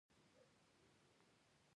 بربنډې نجونې پکښې نڅېدلې.